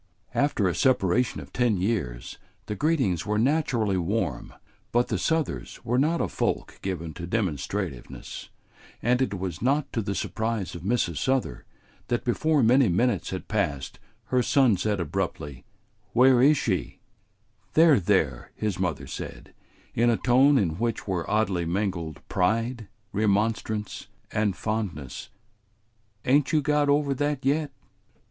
After a separation of ten years the greetings were naturally warm, but the Southers were not a folk given to demonstrativeness, and it was not to the surprise of Mrs. Souther that before many minutes had passed her son said abruptly: "Where is she?" "There, there," his mother said, in a tone in which were oddly mingled pride, remonstrance, and fondness, "ain't you got over that yet?"